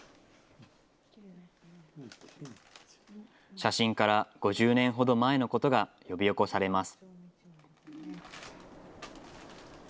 写真から、５０年ほど前のことが呼び起こされます。